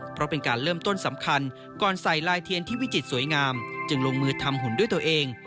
เพราะเป็นการเริ่มต้นสำคัญก่อนใส่ลายเทียนที่วิจิตรสวยงามจึงลงมือทำหุ่นด้วยตัวเอง